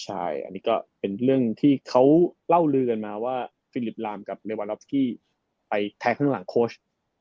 ใช่อันนี้ก็เป็นเรื่องที่เขาเล่าลือกันมาว่าฟิลิปลามกับเมวารอฟสกี้ไปแทงข้างหลังโค้ช